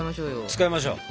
使いましょう。